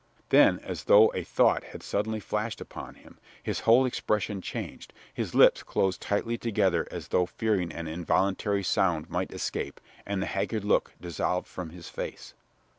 Then, as though a thought had suddenly flashed upon him, his whole expression changed, his lips closed tightly together as though fearing an involuntary sound might escape, and the haggard look dissolved from his face.